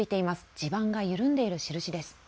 地盤が緩んでいる印です。